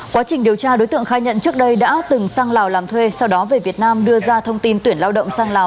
quá trình điều tra đối tượng khai nhận trước đây đã từng sang lào làm thuê sau đó về việt nam đưa ra thông tin tuyển lao động sang lào